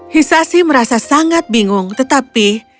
hisasi merasa sangat bingung tetapi